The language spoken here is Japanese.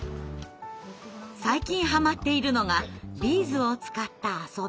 最近はまっているのがビーズを使った遊び。